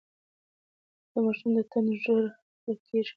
د ماشوم د تنده ژر پوره کړئ.